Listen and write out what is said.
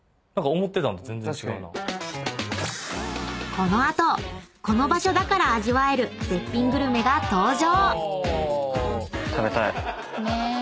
［この後この場所だから味わえる絶品グルメが登場！］